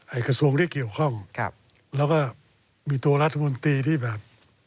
กระทรวงที่เกี่ยวข้องครับแล้วก็มีตัวรัฐมนตรีที่แบบ